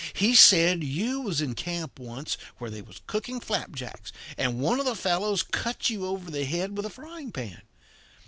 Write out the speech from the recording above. He said you was in camp once where they was cooking flapjacks, and one of the fellows cut you over the head with a frying pan.